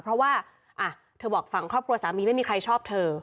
เพราะว่าเธอบอกฝั่งครอบครัวสามีไม่มีใครชอบเธอ